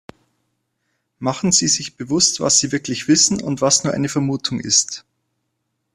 Machen Sie sich bewusst, was sie wirklich wissen und was nur eine Vermutung ist.